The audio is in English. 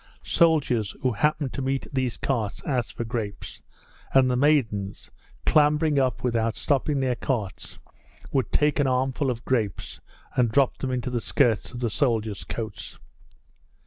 Soldiers who happened to meet these carts asked for grapes, and the maidens, clambering up without stopping their carts, would take an armful of grapes and drop them into the skirts of the soldiers' coats.